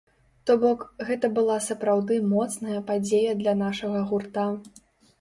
То бок, гэта была сапраўды моцная падзея для нашага гурта.